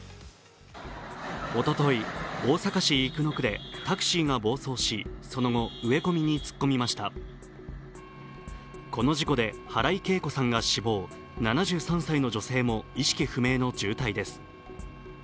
おととい、大阪市生野区でタクシーが暴走し、その後、植え込みに突っ込みましたこの事故で原井恵子さんが死亡、７３歳の女性も意識不明の重体です。